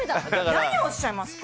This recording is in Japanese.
何をおっしゃいますか。